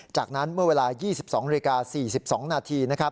จากนั้นเมื่อเวลา๒๒นาฬิกา๔๒นาที